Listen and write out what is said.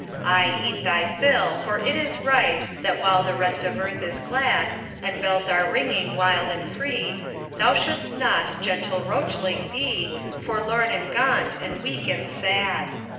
Aye, eat thy fill, for it is right That while the rest of earth is glad, And bells are ringing wild and free, Thou shouldst not, gentle roachling, be Forlorn and gaunt and weak and sad.